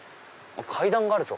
階段があるぞ。